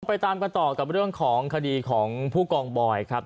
ไปตามกันต่อกับเรื่องของคดีของผู้กองบอยครับ